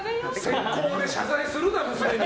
速攻で謝罪するな、娘に。